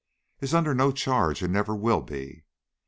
"Is under no charge, and never will be."